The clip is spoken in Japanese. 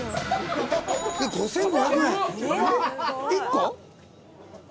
１個？